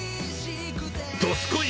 どすこい！